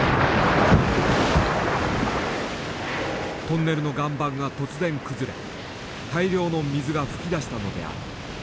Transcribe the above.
トンネルの岩盤が突然崩れ大量の水が噴き出したのである。